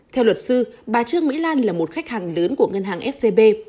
theo luật sư bà trương mỹ lan là một khách hàng lớn của ngân hàng scb